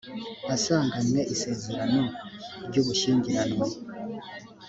asanganywe isezerano ry ubushyingiranwe